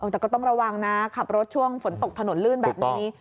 แต่ก็ต้องระวังนะขับรถช่วงฝนตกถนนลื่นแบบนี้